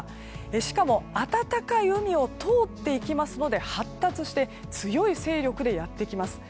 しかも暖かい海を通っていきますので発達して強い勢力でやってきます。